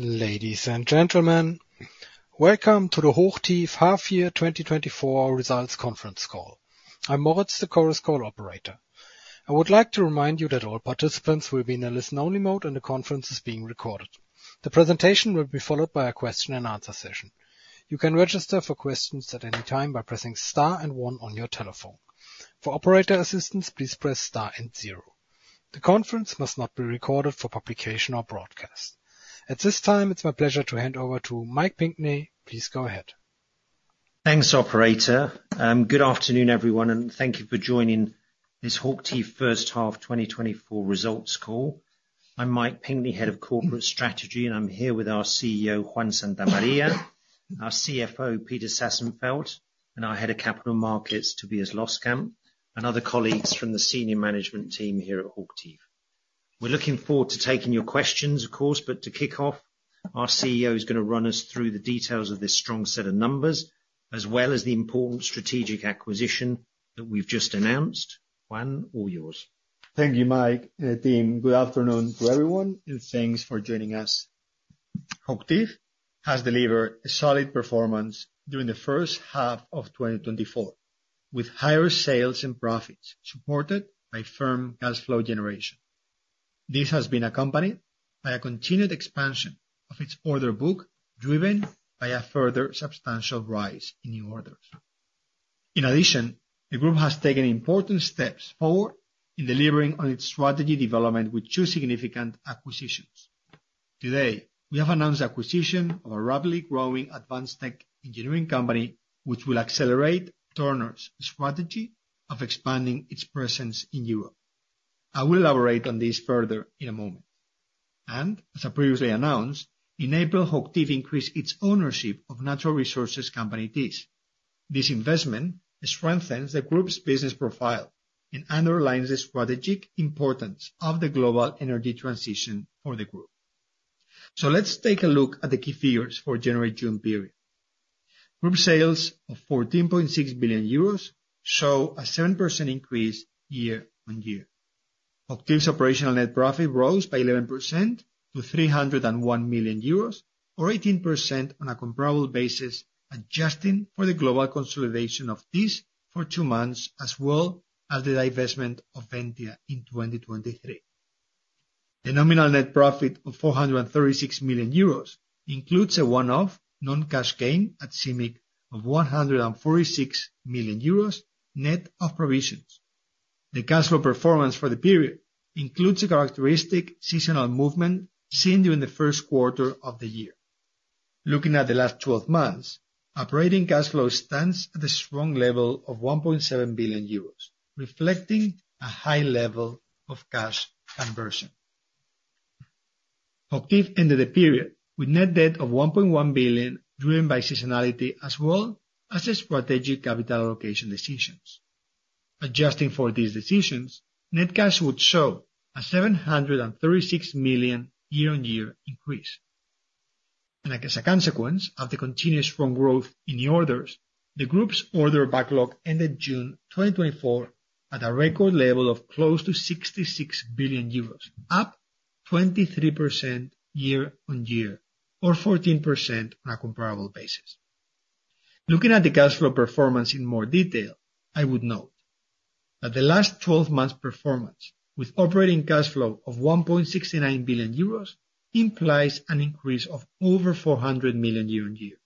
Ladies and gentlemen, welcome to the HOCHTIEF half-year 2024 results conference call. I'm Moritz, the call operator. I would like to remind you that all participants will be in a listen-only mode, and the conference is being recorded. The presentation will be followed by a question-and-answer session. You can register for questions at any time by pressing star and one on your telephone. For operator assistance, please press star and zero. The conference must not be recorded for publication or broadcast. At this time, it's my pleasure to hand over to Mike Pinkney. Please go ahead. Thanks, operator. Good afternoon, everyone, and thank you for joining this HOCHTIEF first half 2024 results call. I'm Mike Pinkney, Head of Corporate Strategy, and I'm here with our CEO, Juan Santamaría, our CFO, Peter Sassenfeld, and our Head of Capital Markets, Tobias Loskamp, and other colleagues from the senior management team here at HOCHTIEF. We're looking forward to taking your questions, of course, but to kick off, our CEO is going to run us through the details of this strong set of numbers, as well as the important strategic acquisition that we've just announced. Juan, all yours. Thank you, Mike, and the team. Good afternoon to everyone, and thanks for joining us. HOCHTIEF has delivered a solid performance during the first half of 2024, with higher sales and profits supported by firm cash flow generation. This has been accompanied by a continued expansion of its order book driven by a further substantial rise in new orders. In addition, the group has taken important steps forward in delivering on its strategy development with two significant acquisitions. Today, we have announced the acquisition of a rapidly growing advanced tech engineering company, which will accelerate Turner's strategy of expanding its presence in Europe. I will elaborate on this further in a moment. As I previously announced, in April, HOCHTIEF increased its ownership of natural resources company, Thiess. This investment strengthens the group's business profile and underlines the strategic importance of the global energy transition for the group. So let's take a look at the key figures for the January-June period. Group sales of 14.6 billion euros show a 7% increase year-on-year. HOCHTIEF's operational net profit rose by 11% to 301 million euros, or 18% on a comparable basis, adjusting for the global consolidation of Thiess for two months, as well as the divestment of Ventia in 2023. The nominal net profit of 436 million euros includes a one-off non-cash gain at CIMIC of 146 million euros net of provisions. The cash flow performance for the period includes a characteristic seasonal movement seen during the first quarter of the year. Looking at the last 12 months, operating cash flow stands at a strong level of 1.7 billion euros, reflecting a high level of cash conversion. HOCHTIEF ended the period with net debt of 1.1 billion driven by seasonality, as well as the strategic capital allocation decisions. Adjusting for these decisions, net cash would show a 736 million year-over-year increase. As a consequence of the continuous strong growth in new orders, the group's order backlog ended June 2024 at a record level of close to 66 billion euros, up 23% year-over-year, or 14% on a comparable basis. Looking at the cash flow performance in more detail, I would note that the last 12 months' performance, with operating cash flow of 1.69 billion euros, implies an increase of over 400 million year-over-year,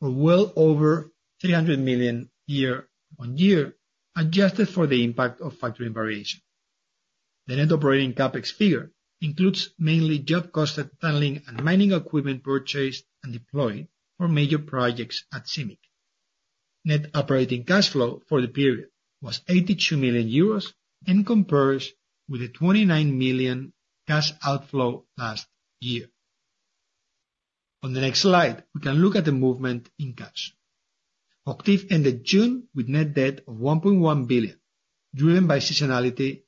or well over 300 million year-over-year, adjusted for the impact of factoring variation. The net operating CapEx figure includes mainly job costs at tunneling and mining equipment purchased and deployed for major projects at CIMIC. Net operating cash flow for the period was 82 million euros and compares with the 29 million cash outflow last year. On the next slide, we can look at the movement in cash. HOCHTIEF ended June with net debt of 1.1 billion, driven by seasonality,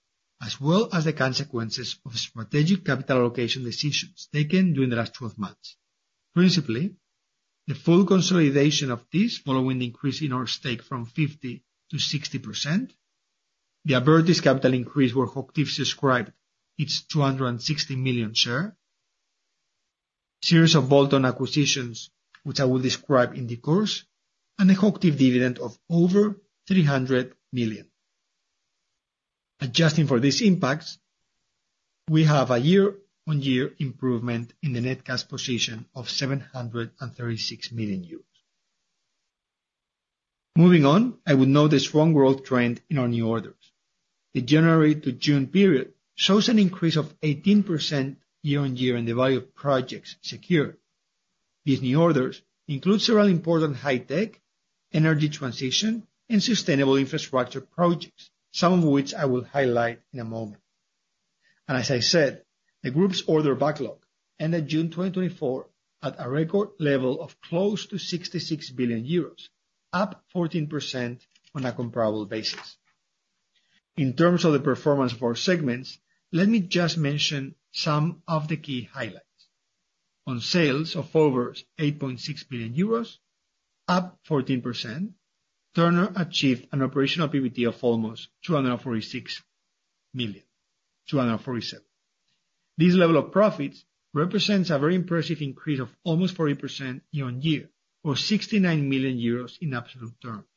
as well as the consequences of strategic capital allocation decisions taken during the last 12 months. Principally, the full consolidation of Thiess following the increase in our stake from 50% to 60%, the Abertis capital increase where HOCHTIEF subscribed its 260 million share, a series of bolt-on acquisitions, which I will describe in the course, and a HOCHTIEF dividend of over 300 million. Adjusting for these impacts, we have a year-on-year improvement in the net cash position of 736 million euros. Moving on, I would note the strong growth trend in our new orders. The January to June period shows an increase of 18% year-on-year in the value of projects secured. These new orders include several important high-tech, energy transition, and sustainable infrastructure projects, some of which I will highlight in a moment. As I said, the group's order backlog ended June 2024 at a record level of close to 66 billion euros, up 14% on a comparable basis. In terms of the performance of our segments, let me just mention some of the key highlights. On sales of over 8.6 billion euros, up 14%, Turner achieved an operational PBT of almost 246 million. This level of profits represents a very impressive increase of almost 40% year-over-year, or 69 million euros in absolute terms.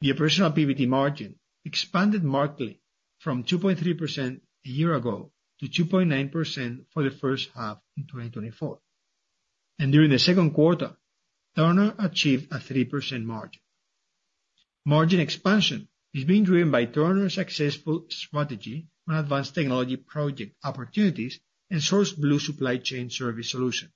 The operational PBT margin expanded markedly from 2.3% a year ago to 2.9% for the first half in 2024. During the second quarter, Turner achieved a 3% margin. Margin expansion is being driven by Turner's successful strategy on advanced technology project opportunities and SourceBlue supply chain service solutions.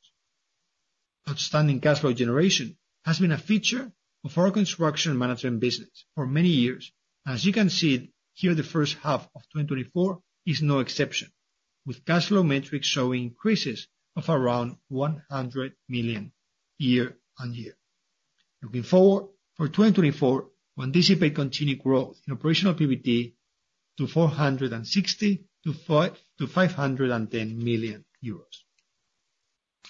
Outstanding cash flow generation has been a feature of our construction management business for many years, and as you can see here, the first half of 2024 is no exception, with cash flow metrics showing increases of around 100 million year-on-year. Looking forward for 2024, we anticipate continued growth in operational PBT to 460 million-510 million euros.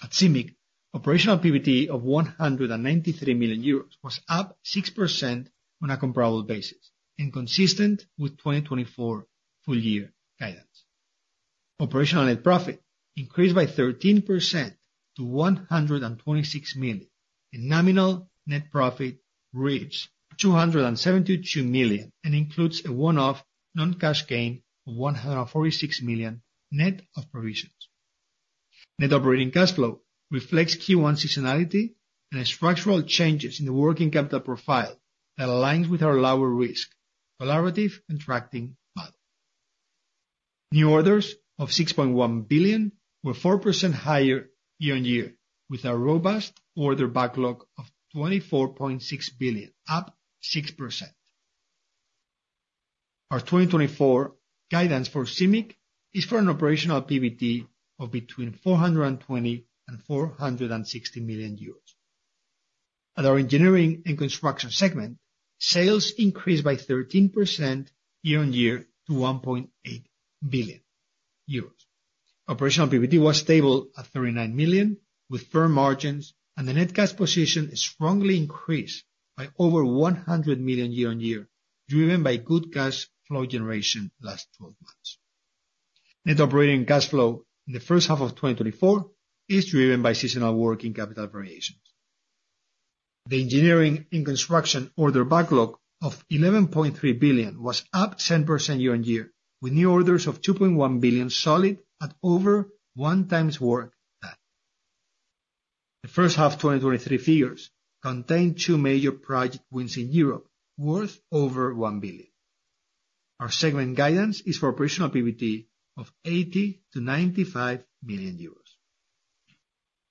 At CIMIC, operational PBT of 193 million euros was up 6% on a comparable basis and consistent with 2024 full-year guidance. Operational net profit increased by 13% to 126 million, and nominal net profit reached 272 million and includes a one-off non-cash gain of 146 million net of provisions. Net operating cash flow reflects Q1 seasonality and structural changes in the working capital profile that aligns with our lower risk, collaborative and tracking model. New orders of 6.1 billion were 4% higher year-on-year, with a robust order backlog of 24.6 billion, up 6%. Our 2024 guidance for CIMIC is for an operational PBT of between 420 million and 460 million euros. At our engineering and construction segment, sales increased by 13% year-on-year to 1.8 billion euros. Operational PBT was stable at 39 million, with firm margins, and the net cash position strongly increased by over 100 million year-on-year, driven by good cash flow generation last 12 months. Net operating cash flow in the first half of 2024 is driven by seasonal working capital variations. The engineering and construction order backlog of 11.3 billion was up 10% year-on-year, with new orders of 2.1 billion solid at over 1x work done. The first half 2023 figures contain two major project wins in Europe worth over 1 billion. Our segment guidance is for operational PBT of 80 million-95 million euros.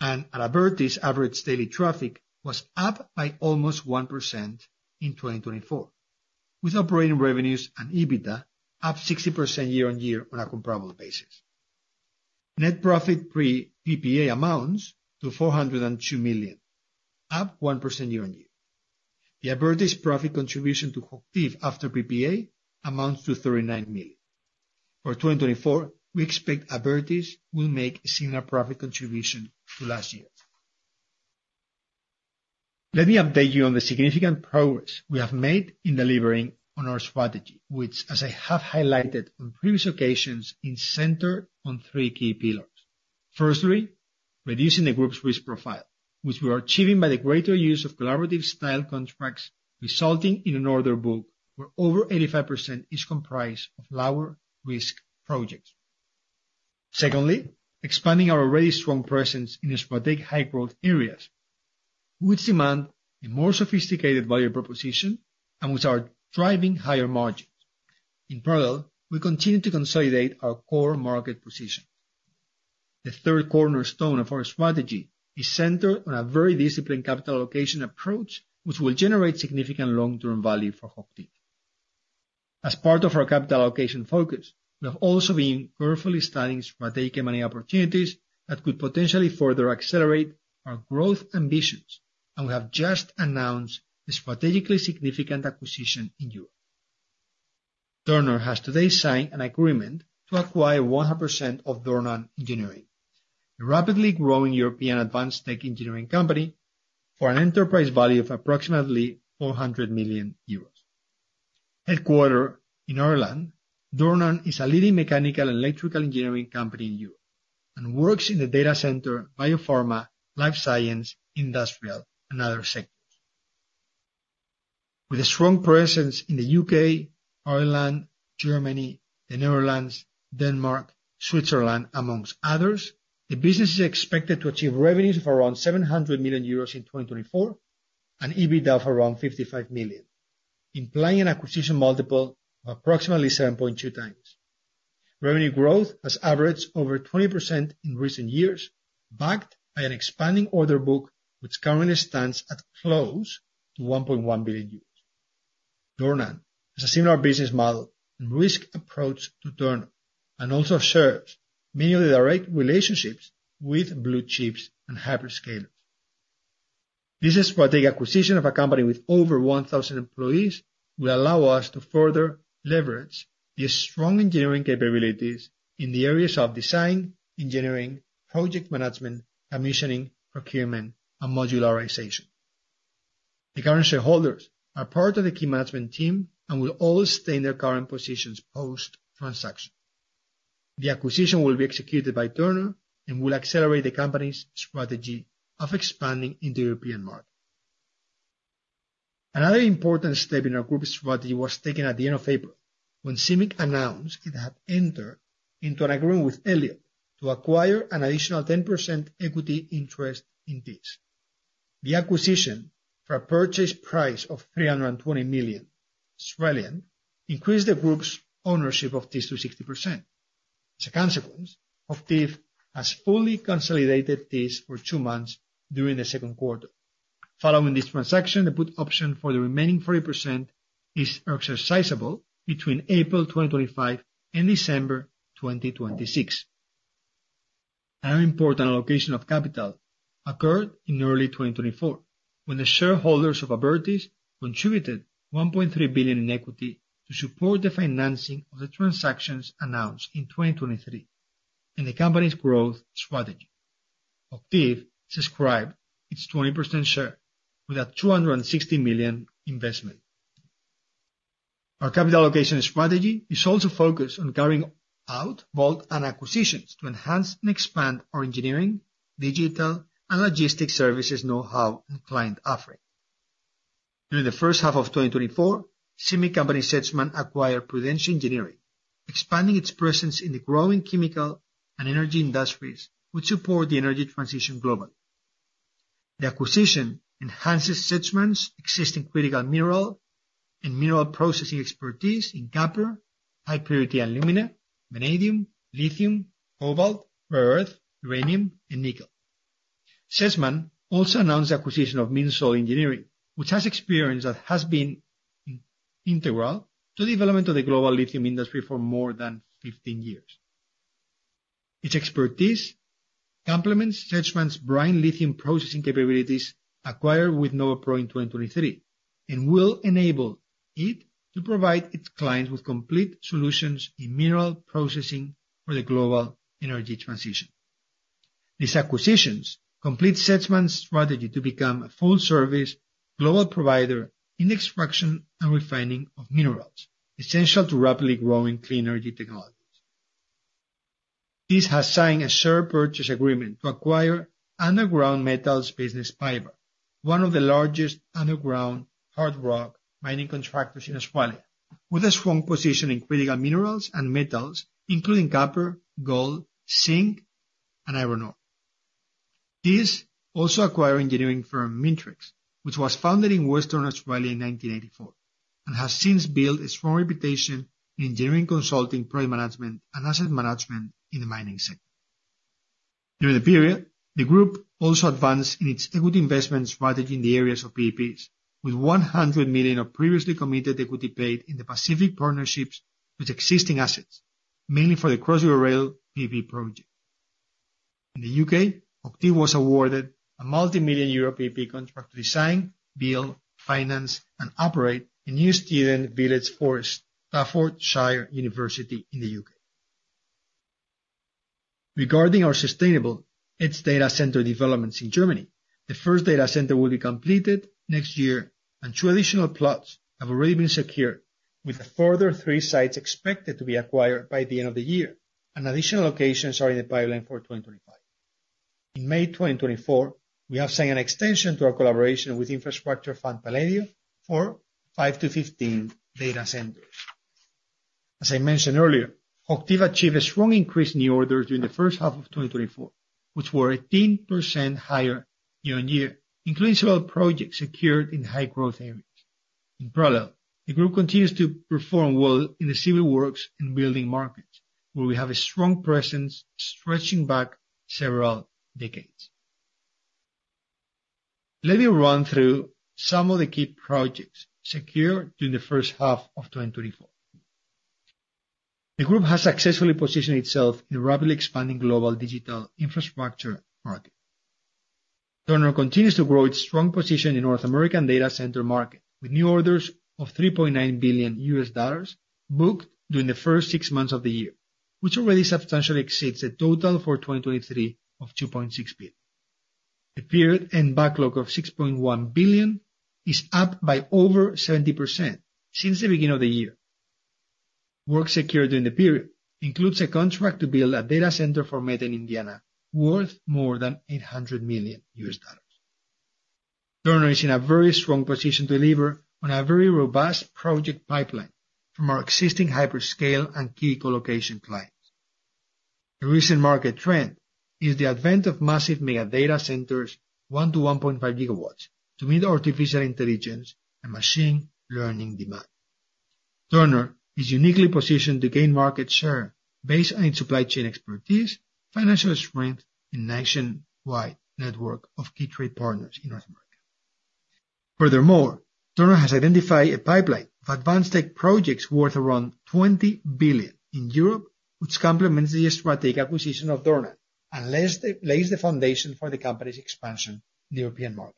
Abertis average daily traffic was up by almost 1% in 2024, with operating revenues and EBITDA up 60% year-on-year on a comparable basis. Net profit pre-PPA amounts to 402 million, up 1% year-on-year. The Abertis profit contribution to HOCHTIEF after PPA amounts to 39 million. For 2024, we expect Abertis will make a similar profit contribution to last year. Let me update you on the significant progress we have made in delivering on our strategy, which, as I have highlighted on previous occasions, is centered on three key pillars. Firstly, reducing the group's risk profile, which we are achieving by the greater use of collaborative style contracts, resulting in an order book where over 85% is comprised of lower-risk projects. Secondly, expanding our already strong presence in strategic high-growth areas, which demand a more sophisticated value proposition and which are driving higher margins. In parallel, we continue to consolidate our core market position. The third cornerstone of our strategy is centered on a very disciplined capital allocation approach, which will generate significant long-term value for HOCHTIEF. As part of our capital allocation focus, we have also been carefully studying strategic money opportunities that could potentially further accelerate our growth ambitions, and we have just announced a strategically significant acquisition in Europe. Turner has today signed an agreement to acquire 100% of Dornan Engineering, a rapidly growing European advanced tech engineering company for an enterprise value of approximately 400 million euros. Headquartered in Ireland, Dornan is a leading mechanical and electrical engineering company in Europe and works in the data center, biopharma, life science, industrial, and other sectors. With a strong presence in the U.K., Ireland, Germany, the Netherlands, Denmark, Switzerland, among others, the business is expected to achieve revenues of around 700 million euros in 2024 and EBITDA of around 55 million, implying an acquisition multiple of approximately 7.2x. Revenue growth has averaged over 20% in recent years, backed by an expanding order book which currently stands at close to 1.1 billion euros. Dornan has a similar business model and risk approach to Turner and also shares many of the direct relationships with blue chips and hyperscalers. This strategic acquisition of a company with over 1,000 employees will allow us to further leverage the strong engineering capabilities in the areas of design, engineering, project management, commissioning, procurement, and modularization. The current shareholders are part of the key management team and will all stay in their current positions post-transaction. The acquisition will be executed by Turner and will accelerate the company's strategy of expanding into the European market. Another important step in our group strategy was taken at the end of April when CIMIC announced it had entered into an agreement with Elliott to acquire an additional 10% equity interest in Thiess. The acquisition, for a purchase price of 320 million, increased the group's ownership of Thiess to 60%. As a consequence, HOCHTIEF has fully consolidated Thiess for two months during the second quarter. Following this transaction, the put option for the remaining 40% is exercisable between April 2025 and December 2026. Another important allocation of capital occurred in early 2024 when the shareholders of Abertis contributed 1.3 billion in equity to support the financing of the transactions announced in 2023 and the company's growth strategy. HOCHTIEF subscribed its 20% share with a 260 million investment. Our capital allocation strategy is also focused on carrying out both acquisitions to enhance and expand our engineering, digital, and logistics services know-how and client offering. During the first half of 2024, CIMIC company Sedgman acquired Prudentia Engineering, expanding its presence in the growing chemical and energy industries, which support the energy transition globally. The acquisition enhances Sedgman's existing critical mineral and mineral processing expertise in copper, high-purity alumina, vanadium, lithium, cobalt, rare earth, uranium, and nickel. Sedgman also announced the acquisition of MinSol Engineering, which has experience that has been integral to the development of the global lithium industry for more than 15 years. Its expertise complements Sedgman's brine lithium processing capabilities acquired with Novopro in 2023 and will enable it to provide its clients with complete solutions in mineral processing for the global energy transition. These acquisitions complete Sedgman's strategy to become a full-service global provider in the extraction and refining of minerals, essential to rapidly growing clean energy technologies. Thiess has signed a share purchase agreement to acquire underground metals business, PYBAR, one of the largest underground hard rock mining contractors in Australia, with a strong position in critical minerals and metals, including copper, gold, zinc, and iron ore. Thiess also acquired engineering firm Mintrex, which was founded in Western Australia in 1984, and has since built a strong reputation in engineering consulting, project management, and asset management in the mining sector. During the period, the group also advanced in its equity investment strategy in the areas of PPPs, with 100 million of previously committed equity paid in the Pacific Partnerships with existing assets, mainly for the Cross River Rail JV project. In the U.K., HOCHTIEF was awarded a multi-million EUR PPP contract to design, build, finance, and operate a new student village for Staffordshire University in the U.K. Regarding our sustainable edge data center developments in Germany, the first data center will be completed next year, and two additional plots have already been secured, with the further three sites expected to be acquired by the end of the year, and additional locations are in the pipeline for 2025. In May 2024, we have signed an extension to our collaboration with Infrastructure Fund, Palladio for 5-15 data centers. As I mentioned earlier, HOCHTIEF achieved a strong increase in new orders during the first half of 2024, which were 18% higher year-on-year, including several projects secured in high-growth areas. In parallel, the group continues to perform well in the civil works and building markets, where we have a strong presence stretching back several decades. Let me run through some of the key projects secured during the first half of 2024. The group has successfully positioned itself in the rapidly expanding global digital infrastructure market. Turner continues to grow its strong position in North American data center market, with new orders of $3.9 billion booked during the first six months of the year, which already substantially exceeds the total for 2023 of $2.6 billion. The period and backlog of $6.1 billion is up by over 70% since the beginning of the year. Work secured during the period includes a contract to build a data center for Meta in Indiana worth more than $800 million. Turner is in a very strong position to deliver on a very robust project pipeline from our existing hyperscale and critical location clients. The recent market trend is the advent of massive mega data centers 1-1.5 gigawatts to meet artificial intelligence and machine learning demand. Turner is uniquely positioned to gain market share based on its supply chain expertise, financial strength, and nationwide network of key trade partners in North America. Furthermore, Turner has identified a pipeline of advanced tech projects worth around 20 billion in Europe, which complements the strategic acquisition of Turner and lays the foundation for the company's expansion in the European market.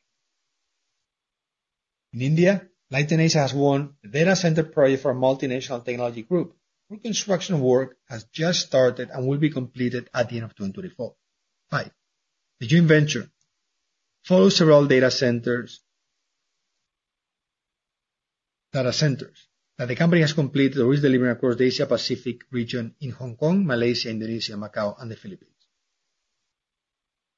In India, Leighton Asia has won the data center project for a multinational technology group, where construction work has just started and will be completed at the end of 2024. The joint venture follows several data centers that the company has completed or is delivering across the Asia-Pacific region in Hong Kong, Malaysia, Indonesia, Macau, and the Philippines.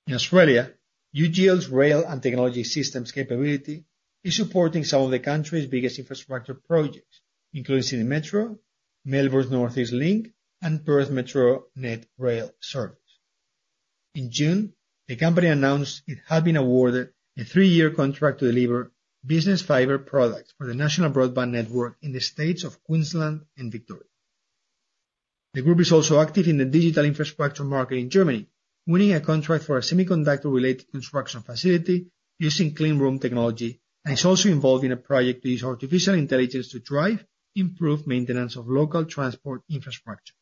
In Australia, UGL's rail and technology systems capability is supporting some of the country's biggest infrastructure projects, including Sydney Metro, Melbourne's North East Link, and Perth METRONET rail service. In June, the company announced it had been awarded a three-year contract to deliver business fiber products for the National Broadband Network in the states of Queensland and Victoria. The group is also active in the digital infrastructure market in Germany, winning a contract for a semiconductor-related construction facility using clean room technology, and is also involved in a project to use artificial intelligence to drive improved maintenance of local transport infrastructure.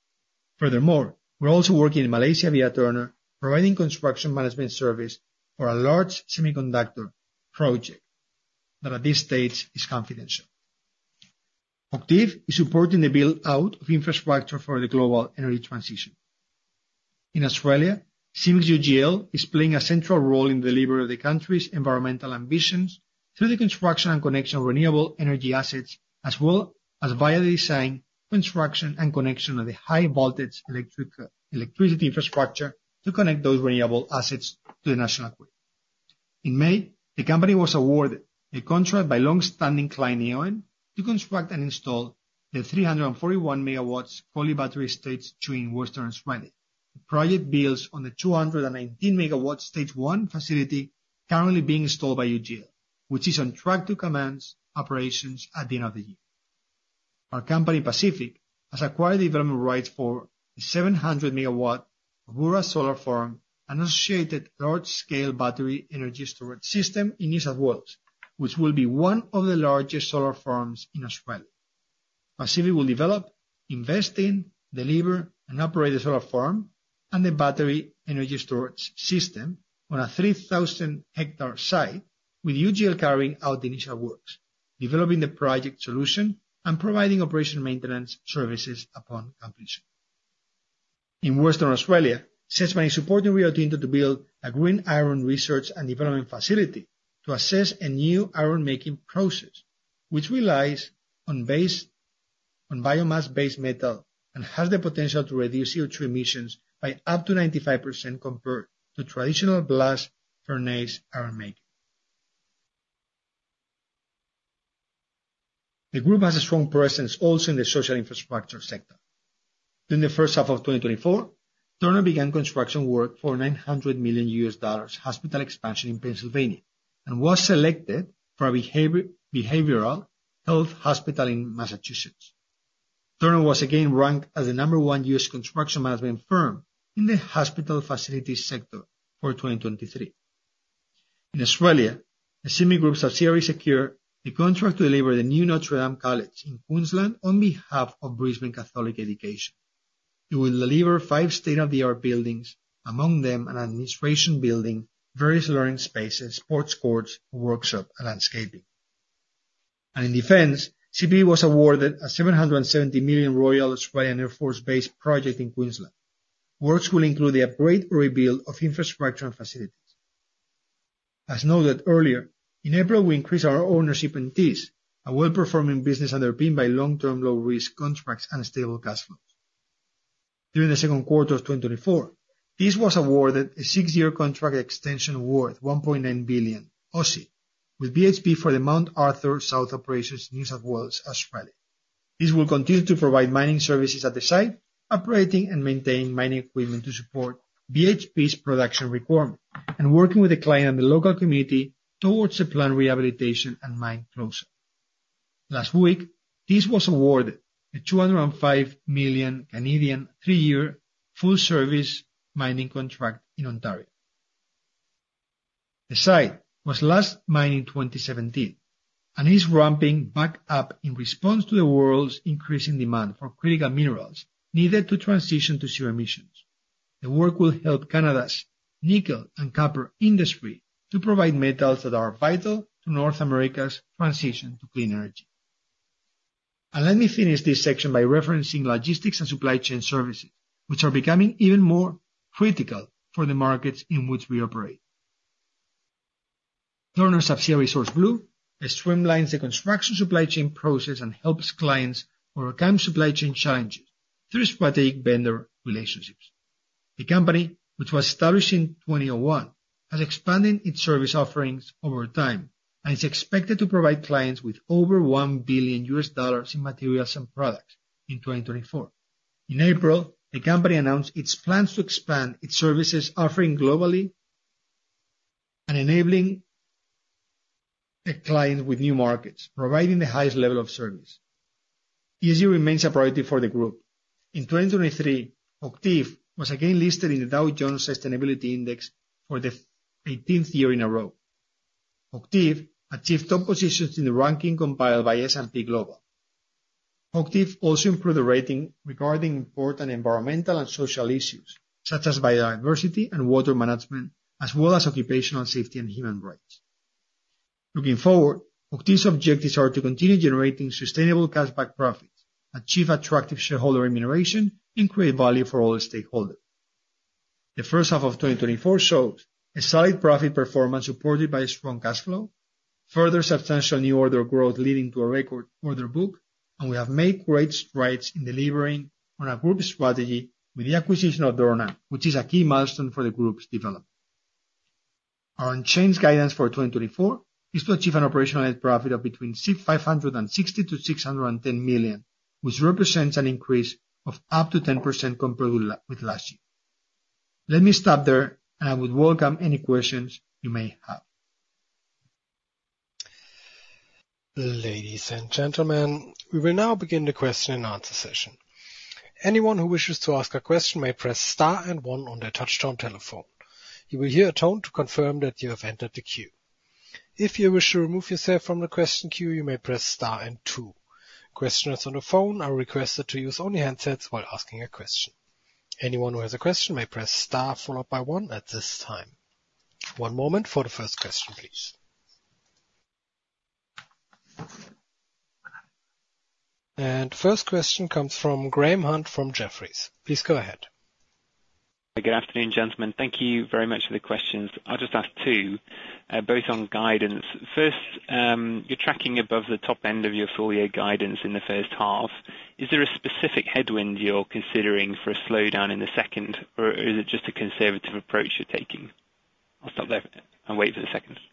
Furthermore, we're also working in Malaysia via Turner, providing construction management service for a large semiconductor project that, at this stage, is confidential. HOCHTIEF is supporting the build-out of infrastructure for the global energy transition. In Australia, CIMIC UGL is playing a central role in the delivery of the country's environmental ambitions through the construction and connection of renewable energy assets, as well as via the design, construction, and connection of the high-voltage electricity infrastructure to connect those renewable assets to the national grid. In May, the company was awarded a contract by long-standing client, Neoen to construct and install the 341 MW Collie Battery Stage 2 in Western Australia. The project builds on the 219 MW Stage 1 facility currently being installed by UGL, which is on track to commence operations at the end of the year. Our company, Pacific, has acquired the development rights for the 700 MW Cobbora Solar Farm and associated large-scale battery energy storage system in New South Wales, which will be one of the largest solar farms in Australia. Pacific will develop, invest in, deliver, and operate the solar farm and the battery energy storage system on a 3,000-hectare site, with UGL carrying out the initial works, developing the project solution, and providing operation maintenance services upon completion. In Western Australia, Sedgman is supporting Rio Tinto to build a green iron research and development facility to assess a new iron-making process, which relies on biomass-based metal and has the potential to reduce CO2 emissions by up to 95% compared to traditional blast furnace iron-making. The group has a strong presence also in the social infrastructure sector. During the first half of 2024, Turner began construction work for a $900 million hospital expansion in Pennsylvania and was selected for a behavioral health hospital in Massachusetts. Turner was again ranked as the number one U.S. construction management firm in the hospital facility sector for 2023. In Australia, the CIMIC Group subsidiary secured the contract to deliver the new Notre Dame College in Queensland on behalf of Brisbane Catholic Education. It will deliver five state-of-the-art buildings, among them an administration building, various learning spaces, sports courts, a workshop, and landscaping. In defense, CPB was awarded a AUS 770 million Royal Australian Air Force base project in Queensland. Works will include the upgrade or rebuild of infrastructure and facilities. As noted earlier, in April, we increased our ownership in Thiess, a well-performing business underpinned by long-term low-risk contracts and stable cash flows. During the second quarter of 2024, Thiess was awarded a 6-year contract extension worth 1.9 billion with BHP for the Mount Arthur South operations in New South Wales, Australia. Thiess will continue to provide mining services at the site, operating and maintaining mining equipment to support BHP's production requirements, and working with the client and the local community towards the plant rehabilitation and mine closure. Last week, Thiess was awarded a 205 million 3-year full-service mining contract in Ontario. The site was last mined in 2017 and is ramping back up in response to the world's increasing demand for critical minerals needed to transition to zero emissions. The work will help Canada's nickel and copper industry to provide metals that are vital to North America's transition to clean energy. Let me finish this section by referencing logistics and supply chain services, which are becoming even more critical for the markets in which we operate. Turner subsidiary SourceBlue, which streamlines the construction supply chain process and helps clients overcome supply chain challenges through strategic vendor relationships. The company, which was established in 2001, has expanded its service offerings over time and is expected to provide clients with over $1 billion in materials and products in 2024. In April, the company announced its plans to expand its services offering globally and enabling the client with new markets, providing the highest level of service. ESG remains a priority for the group. In 2023, HOCHTIEF was again listed in the Dow Jones Sustainability Index for the 18th year in a row. HOCHTIEF achieved top positions in the ranking compiled by S&P Global. HOCHTIEF also improved the rating regarding important environmental and social issues, such as biodiversity and water management, as well as occupational safety and human rights. Looking forward, HOCHTIEF's objectives are to continue generating sustainable cashback profits, achieve attractive shareholder remuneration, and create value for all stakeholders. The first half of 2024 showed a solid profit performance supported by strong cash flow, further substantial new order growth leading to a record order book, and we have made great strides in delivering on our group strategy with the acquisition of Dornan, which is a key milestone for the group's development. Our unchanged guidance for 2024 is to achieve an operational net profit of between 560 million-610 million, which represents an increase of up to 10% compared with last year. Let me stop there, and I would welcome any questions you may have. Ladies and gentlemen, we will now begin the question and answer session. Anyone who wishes to ask a question may press star and one on their touch-tone telephone. You will hear a tone to confirm that you have entered the queue. If you wish to remove yourself from the question queue, you may press star and two. Questioners on the phone are requested to use only handsets while asking a question. Anyone who has a question may press star followed by one at this time. One moment for the first question, please. And the first question comes from Graham Hunt from Jefferies. Please go ahead. Good afternoon, gentlemen. Thank you very much for the questions. I'll just ask two, both on guidance. First, you're tracking above the top end of your full-year guidance in the first half. Is there a specific headwind you're considering for a slowdown in the second, or is it just a conservative approach you're taking? I'll stop there and wait for the second. Hello?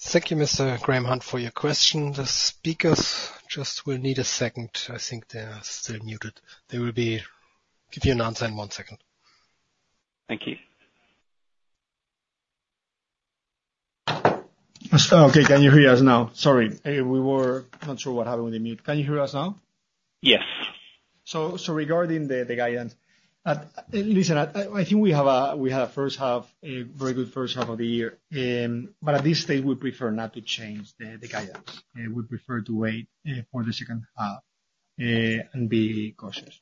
Thank you, Mr. Graham Hunt, for your question. The speakers just will need a second. I think they're still muted. They will give you an answer in one second. Thank you. Mr. Okay, can you hear us now? Sorry. We were not sure what happened with the mute. Can you hear us now? Yes. So regarding the guidance, listen, I think we had a very good first half of the year, but at this stage, we prefer not to change the guidance. We prefer to wait for the second half and be cautious.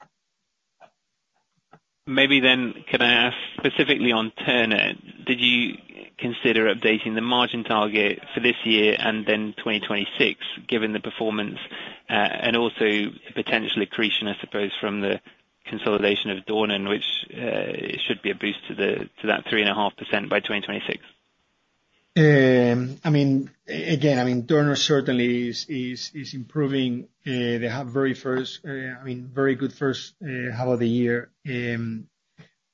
Maybe then, can I ask specifically on Turner? Did you consider updating the margin target for this year and then 2026, given the performance and also the potential accretion, I suppose, from the consolidation of Dornan, which should be a boost to that 3.5% by 2026? I mean, again, I mean, Turner certainly is improving. They have very good first half of the year, and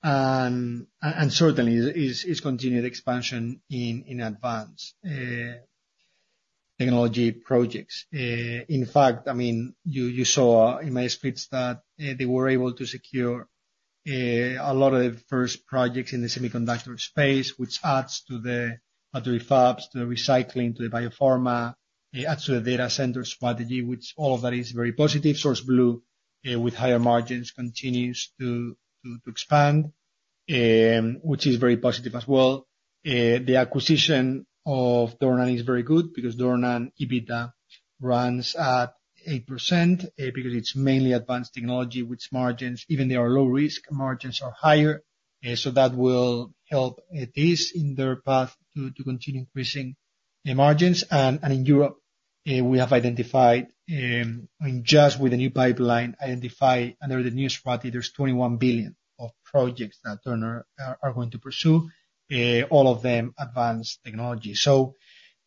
certainly is continued expansion in advanced technology projects. In fact, I mean, you saw in my scripts that they were able to secure a lot of the first projects in the semiconductor space, which adds to the battery fabs, to the recycling, to the biopharma, adds to the data center strategy, which all of that is very positive. SourceBlue, with higher margins, continues to expand, which is very positive as well. The acquisition of Dornan is very good because Dornan EBITDA runs at 8% because it's mainly advanced technology with margins. Even their low-risk margins are higher, so that will help Thiess in their path to continue increasing the margins. And in Europe, we have identified, just with the new pipeline, identified under the new strategy, there's 21 billion of projects that Turner are going to pursue, all of them advanced technology. So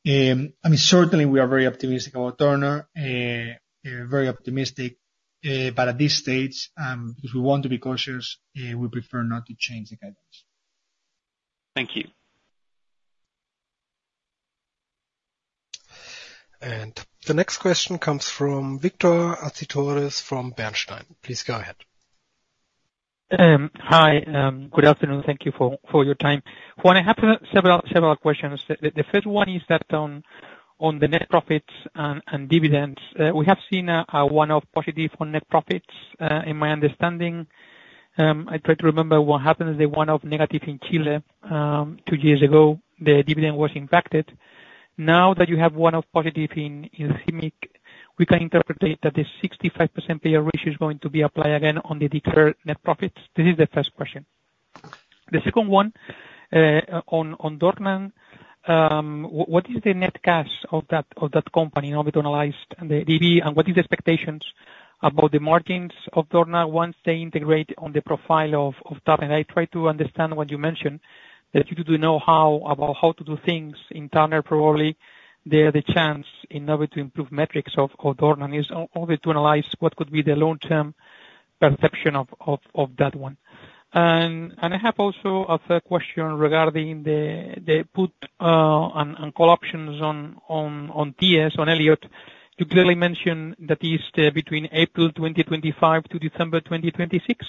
I mean, certainly, we are very optimistic about Turner, very optimistic, but at this stage, because we want to be cautious, we prefer not to change the guidance. Thank you. And the next question comes from Víctor Acitores from Bernstein. Please go ahead. Hi. Good afternoon. Thank you for your time. Well, I have several questions. The first one is that on the net profits and dividends, we have seen a one-off positive on net profits, in my understanding. I tried to remember what happened with the one-off negative in Chile two years ago. The dividend was impacted. Now that you have one-off positive in CIMIC, we can interpret that the 65% payout ratio is going to be applied again on the declared net profits? This is the first question. The second one on Dornan, what is the net cash of that company in order to analyze the EV, and what is the expectations about the margins of Dornan once they integrate on the profile of Turner? I tried to understand what you mentioned, that you do the know-how about how to do things in Turner. Probably the chance in order to improve metrics of Dornan is in order to analyze what could be the long-term perception of that one. I have also a third question regarding the put and call options on Thiess, on Elliott. You clearly mentioned that it's between April 2025-December 2026,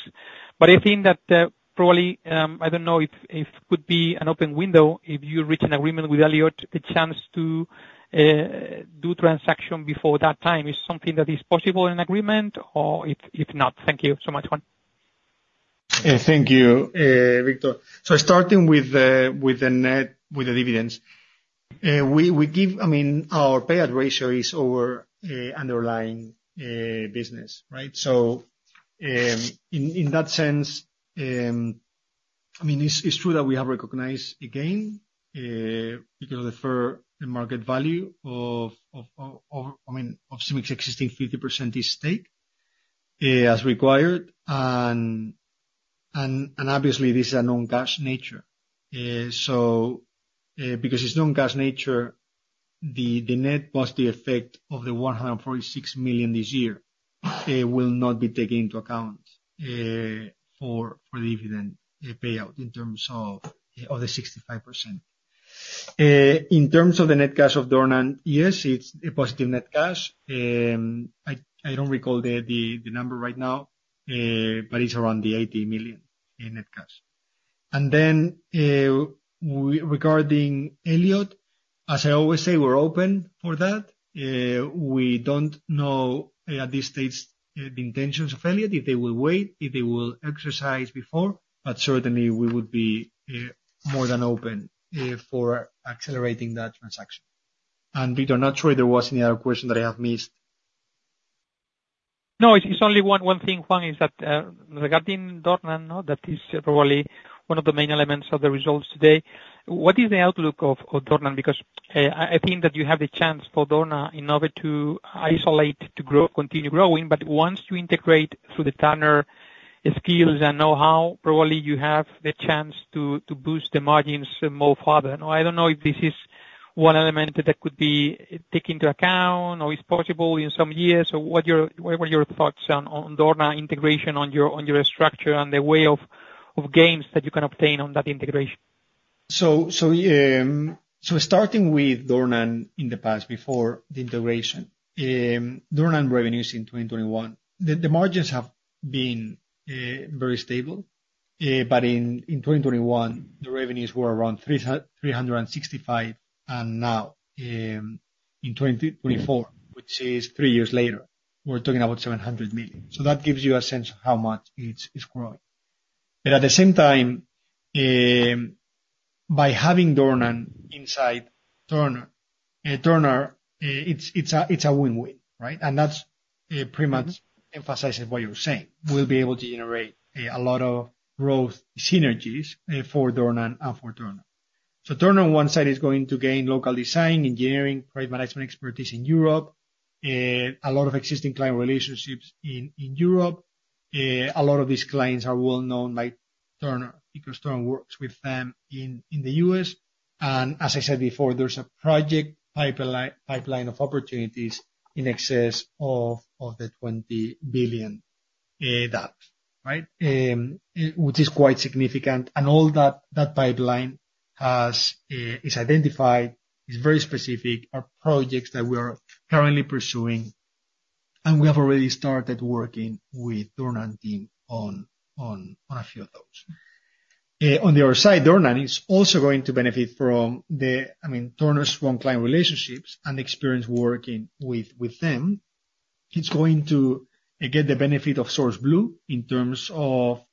but I think that probably, I don't know if it could be an open window if you reach an agreement with Elliott, the chance to do transaction before that time is something that is possible in an agreement or if not. Thank you so much, Juan. Thank you, Víctor. So starting with the dividends, I mean, our payout ratio is over underlying business, right? So in that sense, I mean, it's true that we have recognized a gain because of the market value of, I mean, of CIMIC's existing 50% stake as required. And obviously, this is a non-cash nature. So because it's non-cash nature, the net positive effect of the 146 million this year will not be taken into account for the dividend payout in terms of the 65%. In terms of the net cash of Dornan, yes, it's a positive net cash. I don't recall the number right now, but it's around the 80 million net cash. And then regarding Elliott, as I always say, we're open for that. We don't know at this stage the intentions of Elliott, if they will wait, if they will exercise before, but certainly, we would be more than open for accelerating that transaction. And Victor, not sure if there was any other question that I have missed. No, it's only one thing, Juan, is that regarding Dornan, that is probably one of the main elements of the results today. What is the outlook of Dornan? Because I think that you have the chance for Dornan in order to isolate to continue growing, but once you integrate through the Turner skills and know-how, probably you have the chance to boost the margins more further. I don't know if this is one element that could be taken into account or is possible in some years. So what were your thoughts on Dornan integration, on your structure, and the way of gains that you can obtain on that integration? So starting with Dornan in the past, before the integration, Dornan revenues in 2021, the margins have been very stable, but in 2021, the revenues were around 365, and now in 2024, which is three years later, we're talking about 700 million. So that gives you a sense of how much it's growing. But at the same time, by having Dornan inside Turner, it's a win-win, right? That pretty much emphasizes what you're saying. We'll be able to generate a lot of growth synergies for Dornan and for Turner. So Turner, on one side, is going to gain local design, engineering, project management expertise in Europe, a lot of existing client relationships in Europe. A lot of these clients are well-known by Turner because Turner works with them in the U.S. And as I said before, there's a project pipeline of opportunities in excess of 20 billion, right, which is quite significant. And all that pipeline is identified, is very specific, are projects that we are currently pursuing, and we have already started working with the Dornan team on a few of those. On the other side, Dornan is also going to benefit from the, I mean, Turner's strong client relationships and experience working with them. It's going to get the benefit of SourceBlue in terms of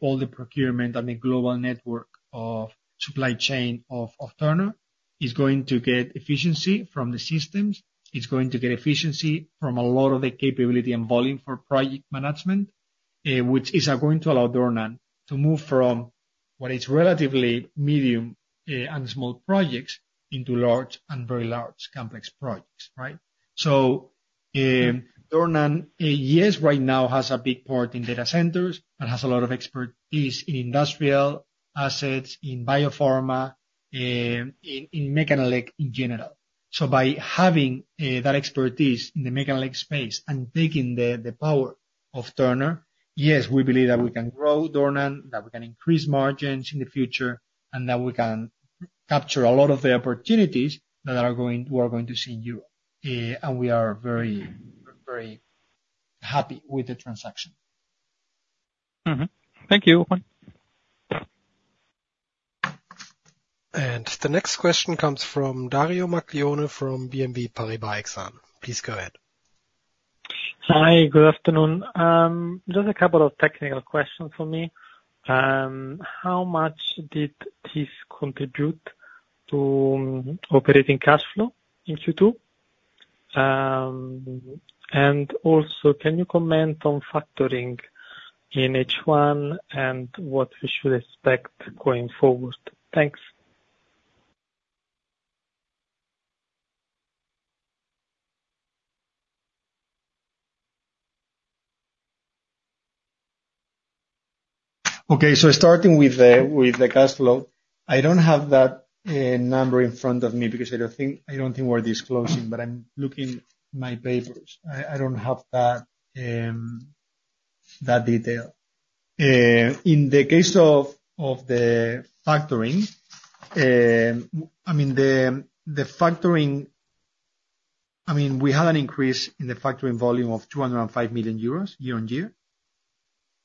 all the procurement and the global network of supply chain of Turner. It's going to get efficiency from the systems. It's going to get efficiency from a lot of the capability and volume for project management, which is going to allow Dornan to move from what is relatively medium and small projects into large and very large complex projects, right? So Dornan, yes, right now has a big part in data centers and has a lot of expertise in industrial assets, in biopharma, in mechanical in general. So by having that expertise in the mechanical space and taking the power of Turner, yes, we believe that we can grow Dornan, that we can increase margins in the future, and that we can capture a lot of the opportunities that we are going to see in Europe. And we are very, very happy with the transaction. Thank you, Juan. And the next question comes from Dario Maglione from BNP Paribas Exane. Please go ahead. Hi, good afternoon. Just a couple of technical questions for me. How much did Thiess contribute to operating cash flow in Q2? And also, can you comment on factoring in H1 and what we should expect going forward? Thanks. Okay. So starting with the cash flow, I don't have that number in front of me because I don't think we're disclosing, but I'm looking at my papers. I don't have that detail. In the case of the factoring, I mean, the factoring, I mean, we had an increase in the factoring volume of 205 million euros year-over-year.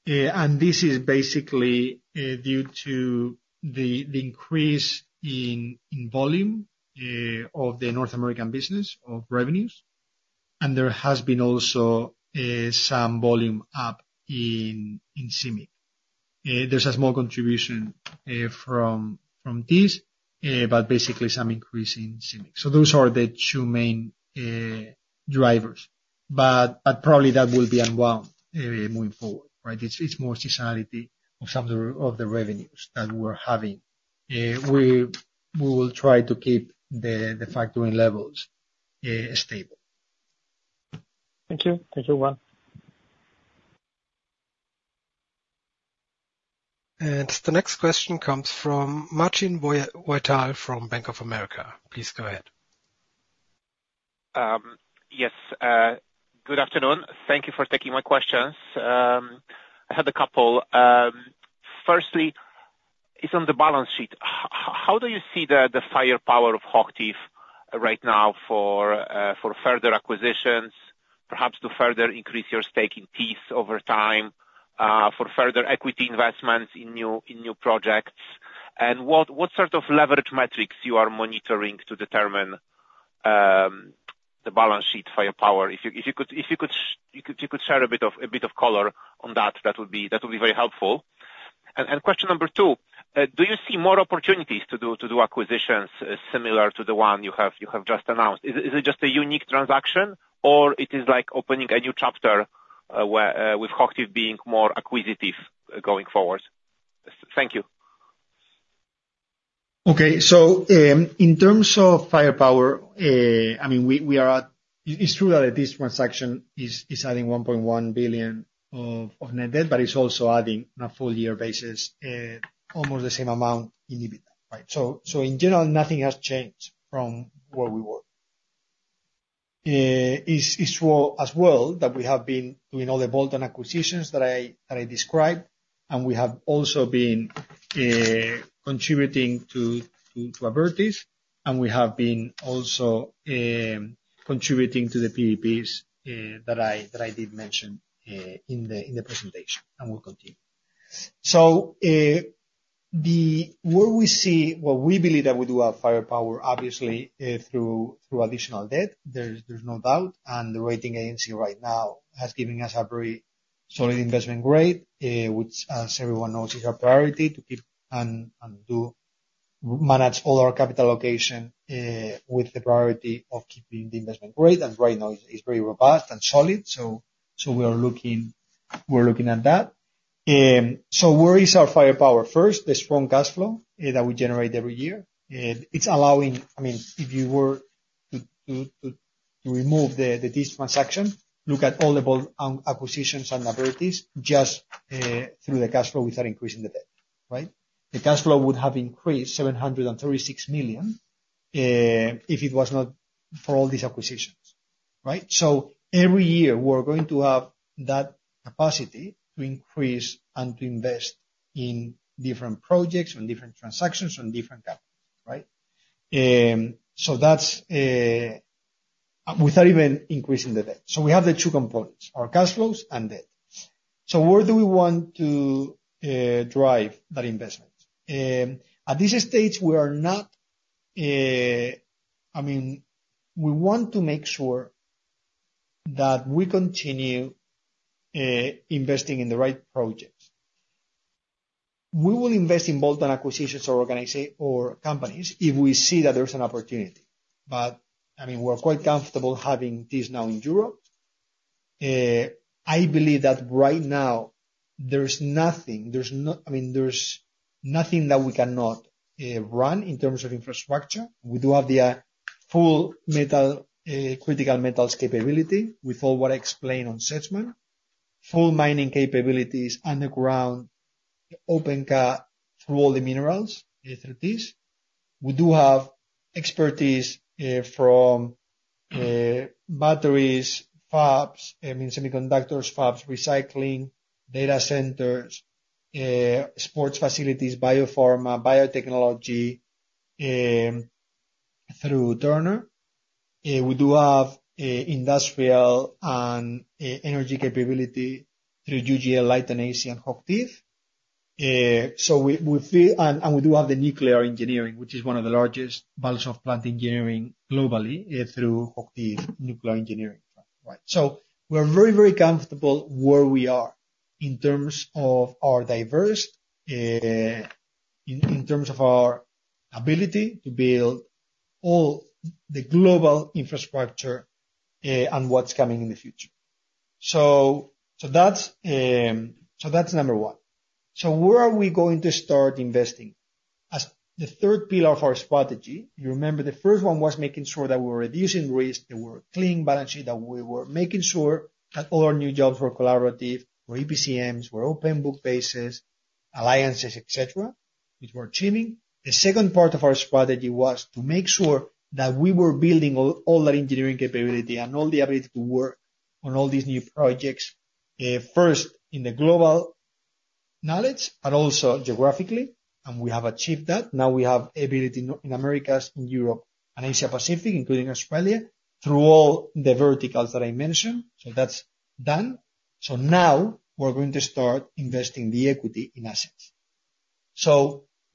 And this is basically due to the increase in volume of the North American business of revenues. And there has been also some volume up in CIMIC. There's a small contribution from Thiess, but basically some increase in CIMIC. So those are the two main drivers. But probably that will be unwound moving forward, right? It's more seasonality of some of the revenues that we're having. We will try to keep the factoring levels stable. Thank you. Thank you, Juan. And the next question comes from Marcin Wojtal from Bank of America. Please go ahead. Yes. Good afternoon. Thank you for taking my questions. I had a couple. Firstly, it's on the balance sheet. How do you see the firepower of HOCHTIEF right now for further acquisitions, perhaps to further increase your stake in Thiess over time, for further equity investments in new projects? And what sort of leverage metrics you are monitoring to determine the balance sheet firepower? If you could share a bit of color on that, that would be very helpful. And question number two, do you see more opportunities to do acquisitions similar to the one you have just announced? Is it just a unique transaction, or it is like opening a new chapter with HOCHTIEF being more acquisitive going forward? Thank you. Okay. So in terms of firepower, I mean, it's true that this transaction is adding 1.1 billion of net debt, but it's also adding on a full-year basis almost the same amount in EBITDA, right? So in general, nothing has changed from where we were. It's true as well that we have been doing all the bolt-on acquisitions that I described, and we have also been contributing to Abertis, and we have been also contributing to the PPPs that I did mention in the presentation, and we'll continue. So where we see, well, we believe that we do have firepower, obviously, through additional debt. There's no doubt. And the rating agency right now has given us a very solid investment grade, which, as everyone knows, is our priority to keep and manage all our capital allocation with the priority of keeping the investment grade. And right now, it's very robust and solid. So we're looking at that. So where is our firepower? First, the strong cash flow that we generate every year. I mean, if you were to remove the Thiess transaction, look at all the bolt-on acquisitions and Abertis just through the cash flow without increasing the debt, right? The cash flow would have increased 736 million if it was not for all these acquisitions, right? So every year, we're going to have that capacity to increase and to invest in different projects and different transactions on different capital, right? So that's without even increasing the debt. So we have the two components, our cash flows and debt. So where do we want to drive that investment? At this stage, we are not, I mean, we want to make sure that we continue investing in the right projects. We will invest in bolt-on acquisitions or companies if we see that there's an opportunity. But I mean, we're quite comfortable having Thiess now in Europe. I believe that right now, there's nothing, I mean, there's nothing that we cannot run in terms of infrastructure. We do have the full critical metals capability with all what I explained on Sedgman, full mining capabilities underground, open cut through all the minerals through Thiess. We do have expertise from batteries, fabs, I mean, semiconductors, fabs, recycling, data centers, sports facilities, biopharma, biotechnology through Turner. We do have industrial and energy capability through UGL, Leighton Asia, and HOCHTIEF. And we do have the nuclear engineering, which is one of the largest balance of plant engineering globally through HOCHTIEF nuclear engineering, right? So we're very, very comfortable where we are in terms of our diverse, in terms of our ability to build all the global infrastructure and what's coming in the future. So that's number one. So where are we going to start investing? The third pillar of our strategy, you remember the first one was making sure that we were reducing risk, that we were cleaning balance sheet, that we were making sure that all our new jobs were collaborative, were BCMs, were open book bases, alliances, etc., which were achieving. The second part of our strategy was to make sure that we were building all that engineering capability and all the ability to work on all these new projects first in the global knowledge, but also geographically. We have achieved that. Now we have ability in Americas, in Europe, and Asia-Pacific, including Australia, through all the verticals that I mentioned. That's done. Now we're going to start investing the equity in assets.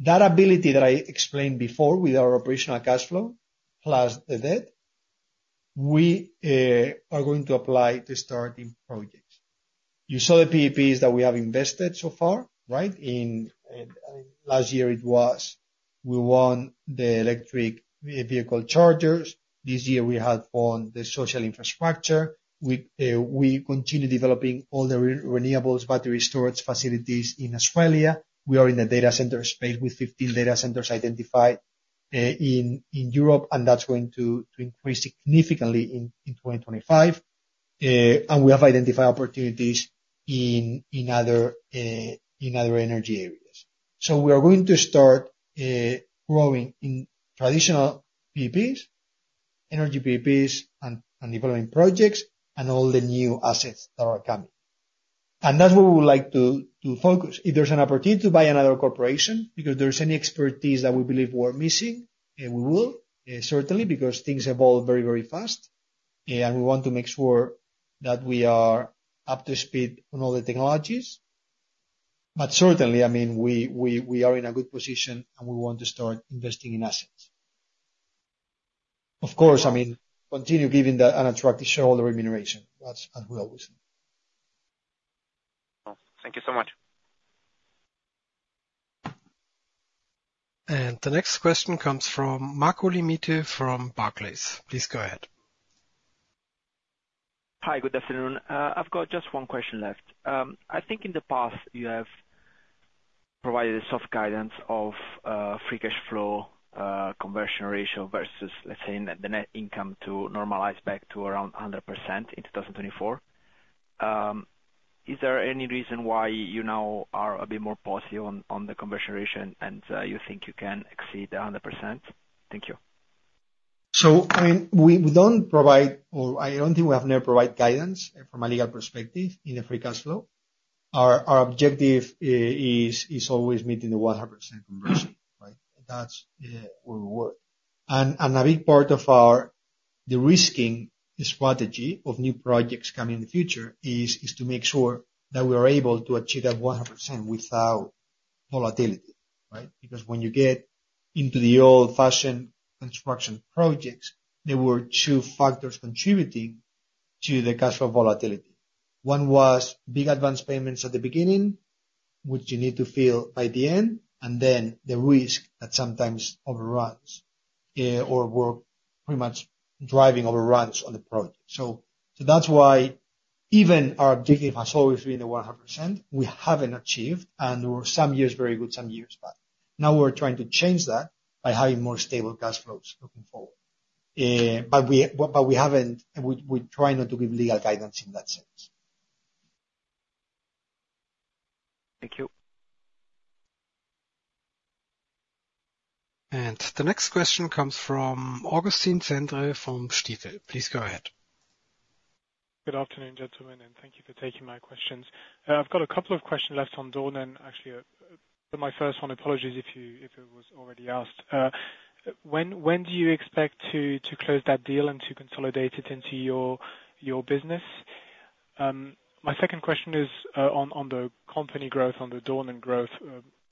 That ability that I explained before with our operational cash flow plus the debt, we are going to apply to starting projects. You saw the PPPs that we have invested so far, right? Last year, it was we won the electric vehicle chargers. This year, we had won the social infrastructure. We continue developing all the renewables, battery storage facilities in Australia. We are in the data center space with 15 data centers identified in Europe, and that's going to increase significantly in 2025. We have identified opportunities in other energy areas. We are going to start growing in traditional PEPs, energy PEPs, and developing projects and all the new assets that are coming. That's what we would like to focus. If there's an opportunity to buy another corporation because there's any expertise that we believe we're missing, we will, certainly, because things evolve very, very fast. We want to make sure that we are up to speed on all the technologies. But certainly, I mean, we are in a good position, and we want to start investing in assets. Of course, I mean, continue giving an attractive shareholder remuneration, as we always do. Thank you so much. The next question comes from Marco Limite from Barclays. Please go ahead. Hi, good afternoon. I've got just one question left. I think in the past, you have provided a soft guidance of free cash flow conversion ratio versus, let's say, the net income to normalize back to around 100% in 2024. Is there any reason why you now are a bit more positive on the conversion ratio and you think you can exceed 100%? Thank you. So I mean, we don't provide, or I don't think we have never provided guidance from a legal perspective in the free cash flow. Our objective is always meeting the 100% conversion, right? That's where we work. And a big part of the risking strategy of new projects coming in the future is to make sure that we are able to achieve that 100% without volatility, right? Because when you get into the old-fashioned construction projects, there were two factors contributing to the cash flow volatility. One was big advance payments at the beginning, which you need to fill by the end, and then the risk that sometimes overruns or we're pretty much driving overruns on the project. So that's why even our objective has always been the 100%. We haven't achieved, and there were some years very good, some years bad. Now we're trying to change that by having more stable cash flows looking forward. But we haven't, and we try not to give legal guidance in that sense. Thank you. And the next question comes from Augustin Cendre from Stifel. Please go ahead. Good afternoon, gentlemen, and thank you for taking my questions. I've got a couple of questions left on Dornan, actually. My first one, apologies if it was already asked. When do you expect to close that deal and to consolidate it into your business? My second question is on the company growth, on the Dornan growth,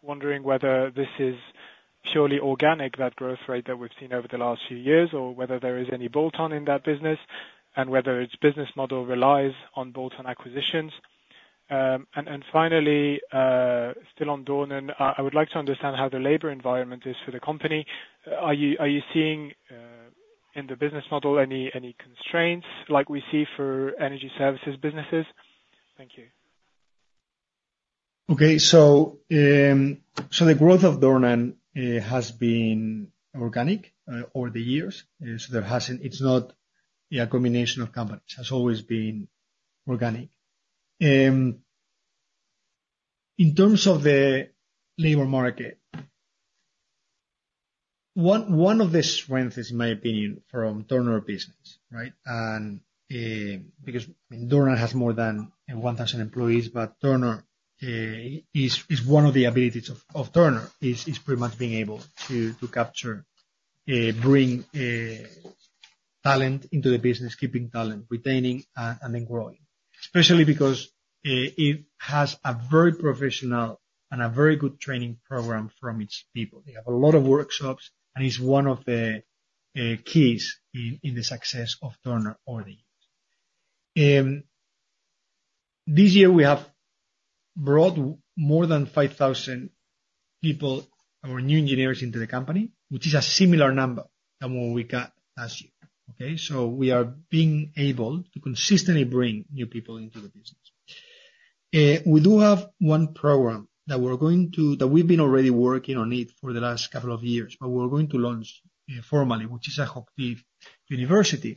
wondering whether this is purely organic, that growth rate that we've seen over the last few years, or whether there is any bolt-on in that business and whether its business model relies on bolt-on acquisitions. And finally, still on Dornan, I would like to understand how the labor environment is for the company. Are you seeing in the business model any constraints like we see for energy services businesses? Thank you. Okay. So the growth of Dornan has been organic over the years. So it's not a combination of companies. It has always been organic. In terms of the labor market, one of the strengths, in my opinion, from Turner business, right? Because Dornan has more than 1,000 employees, but Turner is one of the abilities of Turner, is pretty much being able to capture, bring talent into the business, keeping talent, retaining, and then growing. Especially because it has a very professional and a very good training program from its people. They have a lot of workshops, and it's one of the keys in the success of Turner over the years. This year, we have brought more than 5,000 people, our new engineers, into the company, which is a similar number than what we got last year, okay? So we are being able to consistently bring new people into the business. We do have one program that we're going to, that we've been already working on it for the last couple of years, but we're going to launch formally, which is a HOCHTIEF university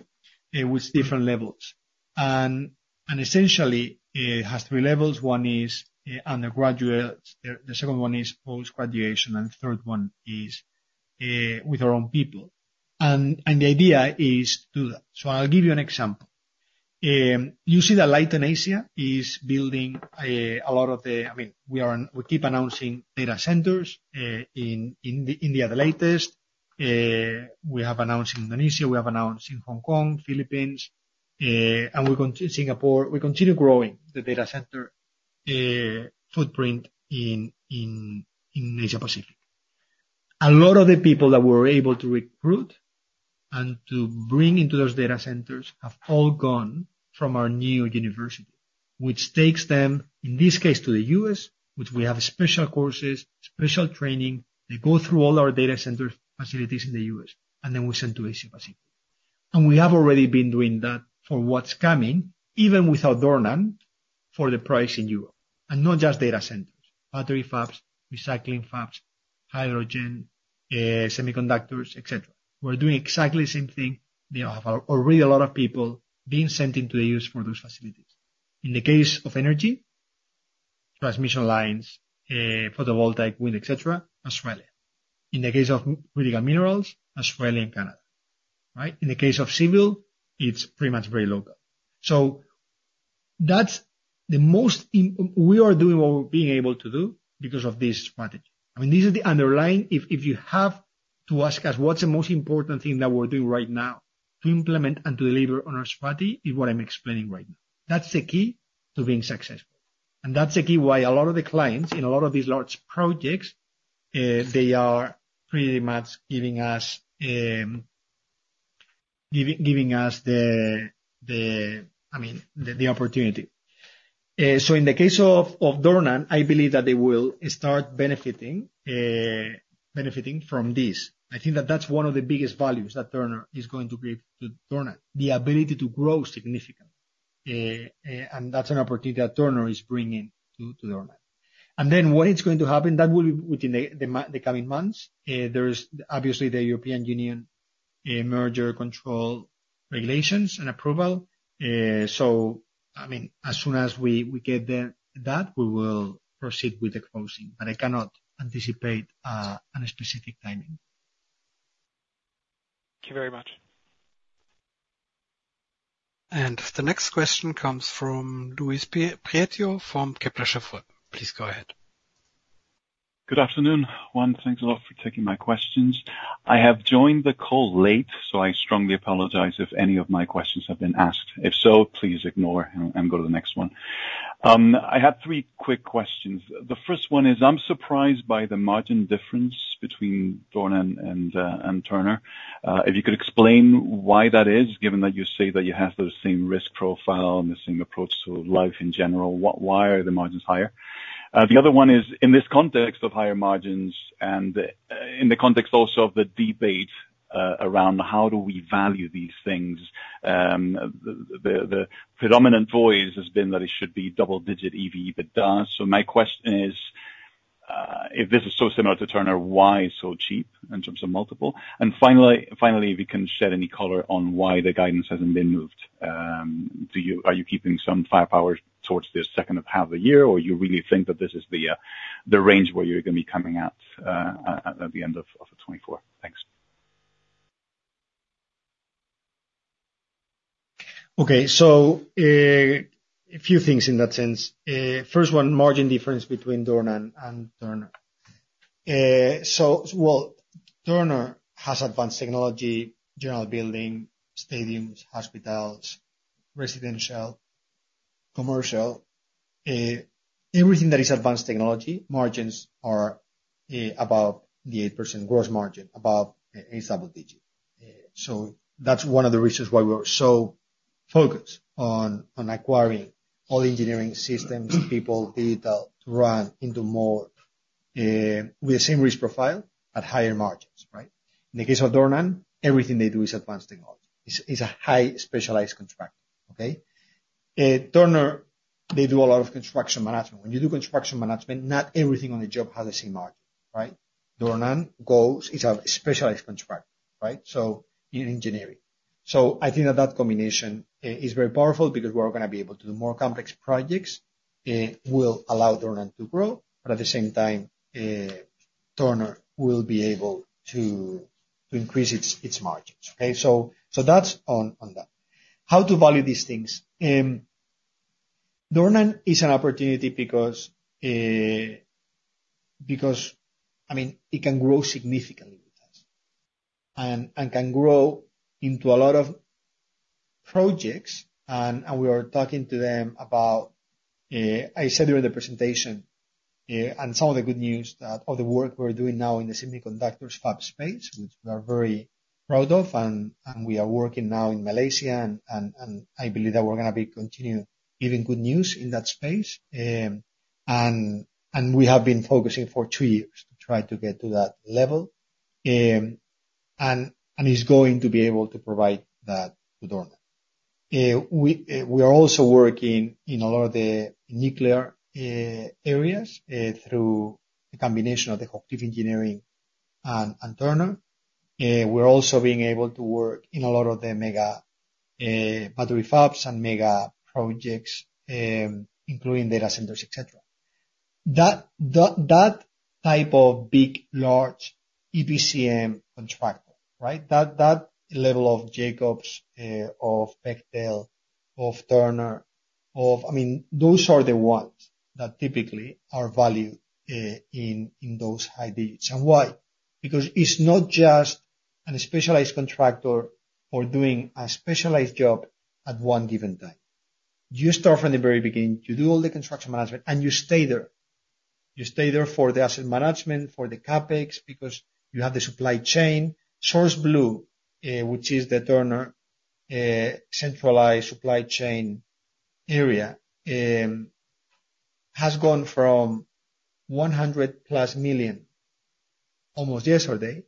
with different levels. And essentially, it has three levels. One is undergraduate. The second one is post-graduation, and the third one is with our own people. And the idea is to do that. So I'll give you an example. You see that Leighton Asia is building a lot of the, I mean, we keep announcing data centers in Adelaide, that's. We have announced in Indonesia. We have announced in Hong Kong, Philippines, and Singapore. We continue growing the data center footprint in Asia-Pacific. A lot of the people that we were able to recruit and to bring into those data centers have all gone from our new university, which takes them, in this case, to the U.S., which we have special courses, special training. They go through all our data center facilities in the U.S., and then we send to Asia-Pacific. We have already been doing that for what's coming, even without Dornan, for the projects in Europe. And not just data centers, battery fabs, recycling fabs, hydrogen, semiconductors, etc. We're doing exactly the same thing. We have already a lot of people being sent into the U.S. for those facilities. In the case of energy, transmission lines, photovoltaic, wind, etc., Australia. In the case of critical minerals, Australia and Canada, right? In the case of civil, it's pretty much very local. So that's the most we are doing what we're being able to do because of this strategy. I mean, this is the underlying, if you have to ask us what's the most important thing that we're doing right now to implement and to deliver on our strategy, is what I'm explaining right now. That's the key to being successful. And that's the key why a lot of the clients in a lot of these large projects, they are pretty much giving us the, I mean, the opportunity. So in the case of Dornan, I believe that they will start benefiting from this. I think that that's one of the biggest values that Dornan is going to give to Dornan, the ability to grow significantly. And that's an opportunity that Dornan is bringing to Dornan. And then what is going to happen, that will be within the coming months. There's obviously the European Union merger control regulations and approval. So I mean, as soon as we get that, we will proceed with the closing. But I cannot anticipate a specific timing. Thank you very much. And the next question comes from Luis Prieto from Kepler Cheuvreux. Please go ahead. Good afternoon. One, thanks a lot for taking my questions. I have joined the call late, so I strongly apologize if any of my questions have been asked. If so, please ignore and go to the next one. I had three quick questions. The first one is, I'm surprised by the margin difference between Dornan and Turner. If you could explain why that is, given that you say that you have the same risk profile and the same approach to life in general, why are the margins higher? The other one is, in this context of higher margins and in the context also of the debate around how do we value these things, the predominant voice has been that it should be double-digit EBITDA. So my question is, if this is so similar to Turner, why so cheap in terms of multiple? And finally, if you can shed any color on why the guidance hasn't been moved. Are you keeping some firepower towards the second half of the year, or you really think that this is the range where you're going to be coming out at the end of 2024? Thanks. Okay. So a few things in that sense. First one, margin difference between Dornan and Turner. So well, Turner has advanced technology, general building, stadiums, hospitals, residential, commercial. Everything that is advanced technology, margins are about the 8% gross margin, above a double digit. So that's one of the reasons why we're so focused on acquiring all engineering systems, people, digital to run into more with the same risk profile at higher margins, right? In the case of Dornan, everything they do is advanced technology. It's a highly specialized contractor, okay? Turner, they do a lot of construction management. When you do construction management, not everything on the job has the same margin, right? Dornan goes, it's a specialized contractor, right? So in engineering. So I think that that combination is very powerful because we're going to be able to do more complex projects, will allow Dornan to grow, but at the same time, Turner will be able to increase its margins, okay? So that's on that. How to value these things? Dornan is an opportunity because, I mean, it can grow significantly with us and can grow into a lot of projects. And we are talking to them about, I said during the presentation, and some of the good news of the work we're doing now in the semiconductors fab space, which we are very proud of. And we are working now in Malaysia, and I believe that we're going to be continuing giving good news in that space. We have been focusing for two years to try to get to that level. It's going to be able to provide that to Dornan. We are also working in a lot of the nuclear areas through the combination of the HOCHTIEF engineering and Turner. We're also being able to work in a lot of the mega battery fabs and mega projects, including data centers, etc. That type of big, large EPCM contractor, right? That level of Jacobs, of Bechtel, of Turner, of, I mean, those are the ones that typically are valued in those high digits. Why? Because it's not just a specialized contractor or doing a specialized job at one given time. You start from the very beginning, you do all the construction management, and you stay there. You stay there for the asset management, for the CapEx, because you have the supply chain. SourceBlue, which is the Turner centralized supply chain area, has gone from 100+ million almost yesterday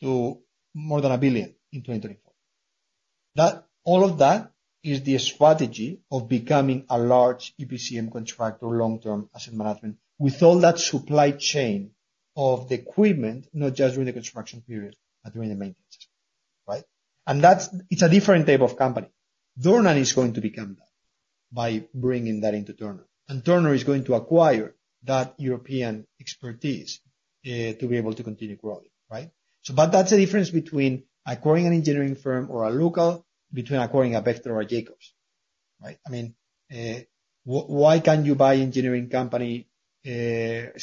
to more than 1 billion in 2024. All of that is the strategy of becoming a large EPCM contractor, long-term asset management, with all that supply chain of the equipment, not just during the construction period, but during the maintenance, right? And it's a different type of company. Dornan is going to become that by bringing that into Turner. And Turner is going to acquire that European expertise to be able to continue growing, right? So that's the difference between acquiring an engineering firm or a local between acquiring a Bechtel or a Jacobs, right? I mean, why can't you buy engineering company,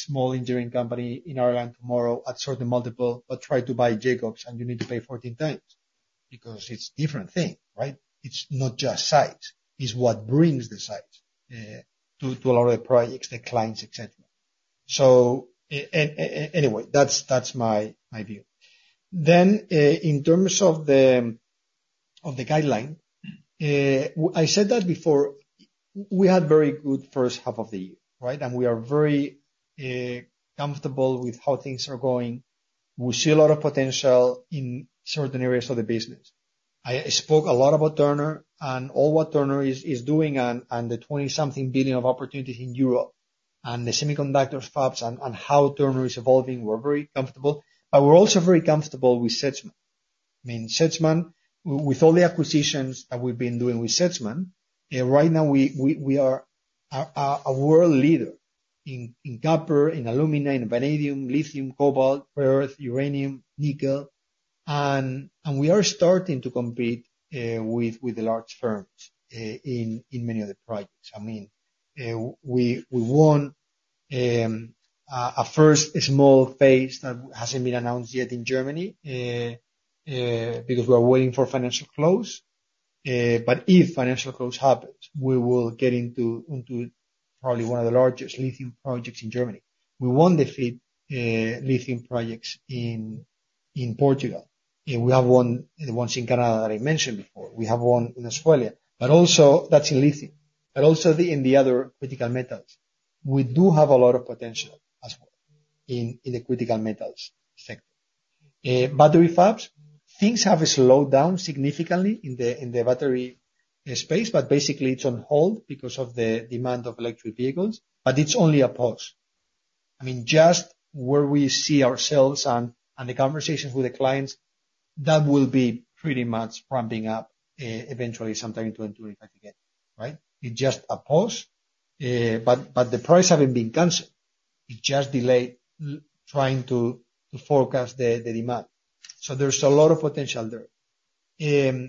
small engineering company in Ireland tomorrow, absorb the multiple, but try to buy Jacobs, and you need to pay 14x? Because it's a different thing, right? It's not just sites. It's what brings the sites to a lot of the projects, the clients, etc. So anyway, that's my view. Then in terms of the guideline, I said that before, we had a very good first half of the year, right? And we are very comfortable with how things are going. We see a lot of potential in certain areas of the business. I spoke a lot about Turner and all what Turner is doing and the 20-something billion of opportunities in Europe and the semiconductor fabs and how Turner is evolving. We're very comfortable. But we're also very comfortable with Sedgman. I mean, Sedgman, with all the acquisitions that we've been doing with Sedgman, right now we are a world leader in copper, in aluminum, in vanadium, lithium, cobalt, rare, uranium, nickel. We are starting to compete with the large firms in many of the projects. I mean, we won a first small phase that hasn't been announced yet in Germany because we are waiting for financial close. But if financial close happens, we will get into probably one of the largest lithium projects in Germany. We won the FEED lithium projects in Portugal. We have won the ones in Canada that I mentioned before. We have won in Australia. But also that's in lithium. But also in the other critical metals. We do have a lot of potential as well in the critical metals sector. Battery fabs, things have slowed down significantly in the battery space, but basically it's on hold because of the demand of electric vehicles. But it's only a pause. I mean, just where we see ourselves and the conversations with the clients, that will be pretty much ramping up eventually sometime in 2025 again, right? It's just a pause. But the price hasn't been canceled. It just delayed trying to forecast the demand. So there's a lot of potential there.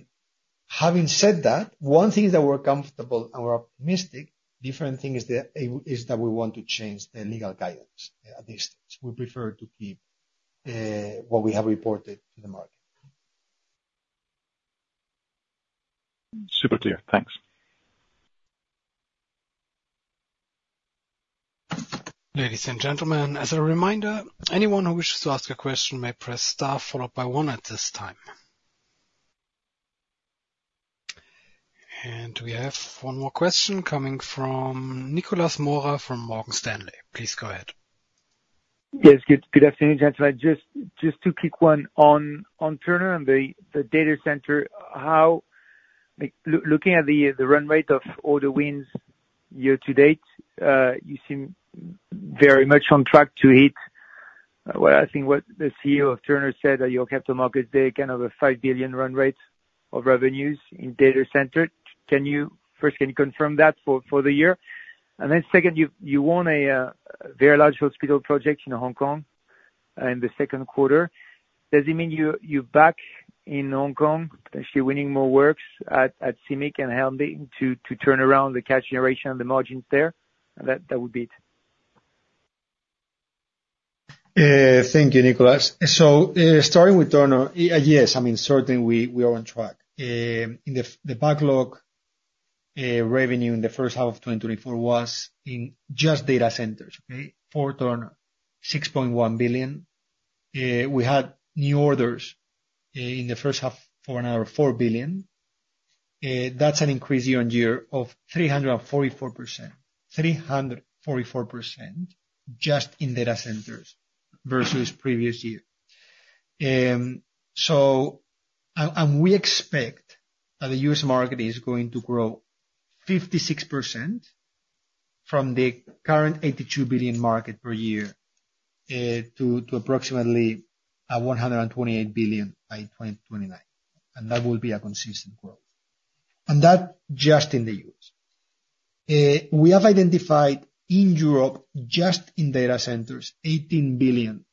Having said that, one thing is that we're comfortable and we're optimistic. Different thing is that we want to change the legal guidance at this stage. We prefer to keep what we have reported to the market. Super clear. Thanks. Ladies and gentlemen, as a reminder, anyone who wishes to ask a question may press star followed by one at this time. And we have one more question coming from Nicolas Mora from Morgan Stanley. Please go ahead. Yes, good afternoon, gentlemen. Just two quick ones on Turner and the data center. Looking at the run rate of all the wins year to date, you seem very much on track to hit, well, I think what the CEO of Turner said at your capital markets day, kind of a $5 billion run rate of revenues in data centers. First, can you confirm that for the year? And then second, you won a very large hospital project in Hong Kong in the second quarter. Does it mean you're back in Hong Kong, potentially winning more works at CIMIC and Leighton to turn around the cash generation and the margins there? That would be it. Thank you, Nicolas. So starting with Turner, yes, I mean, certainly we are on track. The backlog revenue in the first half of 2024 was in just data centers, okay? For Turner, 6.1 billion. We had new orders in the first half for another 4 billion. That's an increase year-over-year of 344%, 344% just in data centers versus previous year. And we expect that the U.S. market is going to grow 56% from the current 82 billion market per year to approximately 128 billion by 2029. And that will be a consistent growth. And that's just in the U.S. We have identified in Europe, just in data centers, $18 billion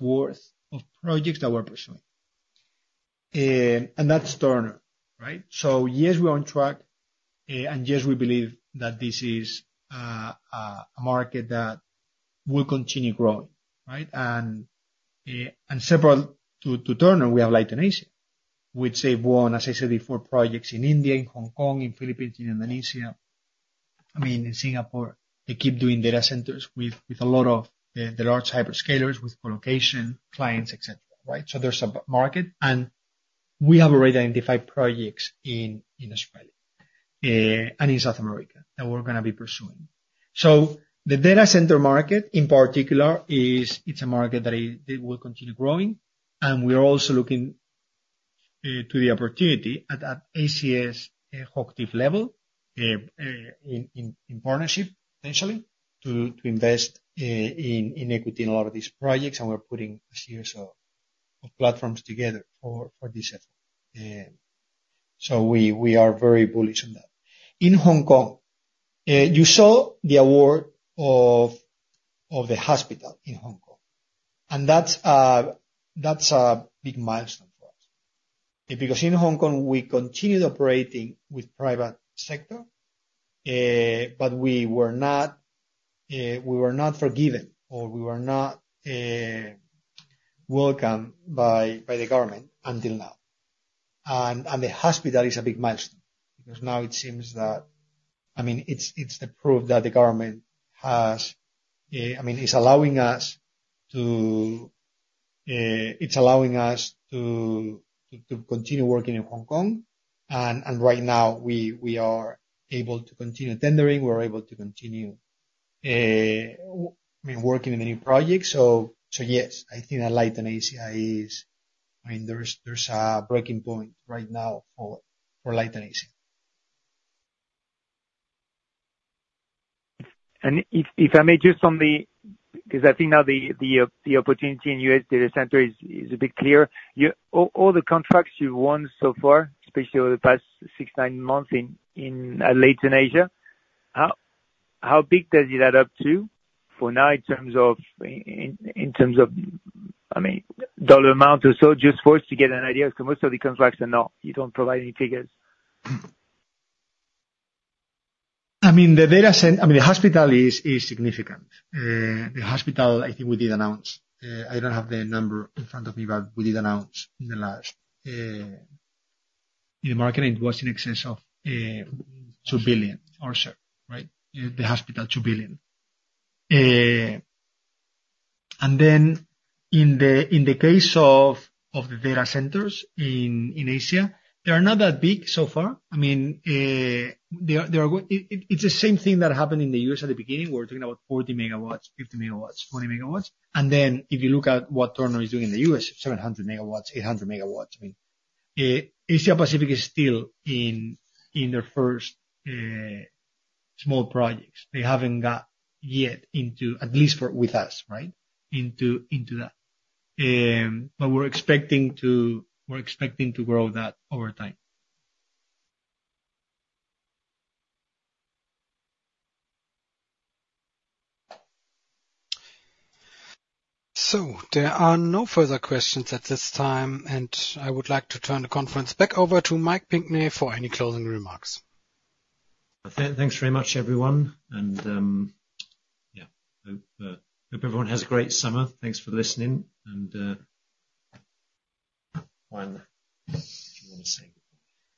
worth of projects that we're pursuing. And that's Turner, right? So yes, we're on track. And yes, we believe that this is a market that will continue growing, right? And separate to Turner, we have Leighton Asia, which they've won, as I said before, projects in India, in Hong Kong, in the Philippines, in Indonesia. I mean, in Singapore, they keep doing data centers with a lot of the large hyperscalers, with colocation clients, etc., right? So there's a market. We have already identified projects in Australia and in South America that we're going to be pursuing. The data center market, in particular, it's a market that will continue growing. We are also looking to the opportunity at ACS-HOCHTIEF level in partnership, potentially, to invest in equity in a lot of these projects. We're putting a series of platforms together for this effort. We are very bullish on that. In Hong Kong, you saw the award of the hospital in Hong Kong. That's a big milestone for us. Because in Hong Kong, we continued operating with the private sector, but we were not forgiven, or we were not welcomed by the government until now. The hospital is a big milestone because now it seems that, I mean, it's the proof that the government has, I mean, is allowing us to, it's allowing us to continue working in Hong Kong. And right now, we are able to continue tendering. We're able to continue, I mean, working in the new projects. So yes, I think that Leighton Asia is, I mean, there's a breaking point right now for Leighton Asia. And if I may just on the, because I think now the opportunity in U.S. data center is a bit clear, all the contracts you've won so far, especially over the past 6-9 months in Leighton Asia, how big does it add up to for now in terms of, I mean, dollar amount or so, just for us to get an idea? Because most of the contracts are not, you don't provide any figures. I mean, the data center, I mean, the hospital is significant. The hospital, I think we did announce, I don't have the number in front of me, but we did announce in the last, in the market, and it was in excess of 2 billion or so, right? The hospital, 2 billion. And then in the case of the data centers in Asia, they are not that big so far. I mean, it's the same thing that happened in the U.S. at the beginning. We're talking about 40 MW, 50 MW, 20 MW. And then if you look at what Turner is doing in the U.S., 700 MW, 800 MW, I mean, Asia-Pacific is still in their first small projects. They haven't got yet into, at least with us, right? Into that. But we're expecting to grow that over time. So there are no further questions at this time, and I would like to turn the conference back over to Mike Pinkney for any closing remarks. Thanks very much, everyone. And yeah, I hope everyone has a great summer. Thanks for listening. And Juan, do you want to say anything?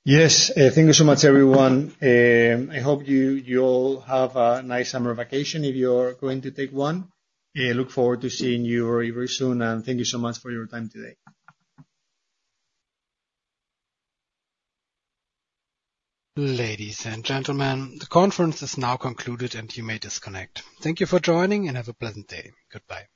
Yes, thank you so much, everyone. I hope you all have a nice summer vacation if you're going to take one. Look forward to seeing you very, very soon. And thank you so much for your time today. Ladies and gentlemen, the conference is now concluded, and you may disconnect. Thank you for joining, and have a pleasant day. Goodbye.